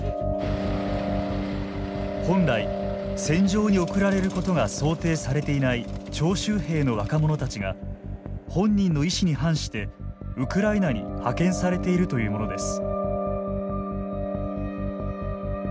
本来、戦場に送られることが想定されていない「徴集兵」の若者たちが本人の意思に反してウクライナに派遣されているというものです。